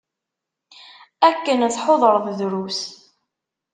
Akken tḥudreḍ, drus.